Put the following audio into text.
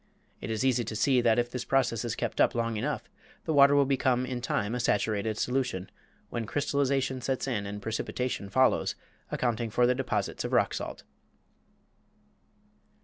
It is easy to see that if this process is kept up long enough the water will become in time a saturated solution, when crystallization sets in and precipitation follows, accounting for the deposits of rock salt.